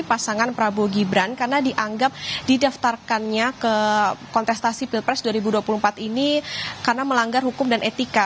pasangan prabowo gibran karena dianggap didaftarkannya ke kontestasi pilpres dua ribu dua puluh empat ini karena melanggar hukum dan etika